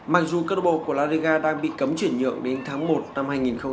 mặc dù club của la liga đang bị cấm chuyển nhượng đến tháng một năm hai nghìn một mươi tám